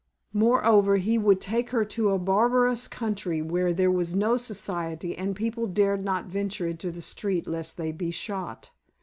Moreover, he would take her to a barbarous country where there was no Society and people dared not venture into the streets lest they be shot.